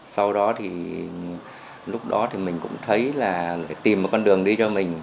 sau đó thì lúc đó thì mình cũng thấy là tìm một con đường đi cho mình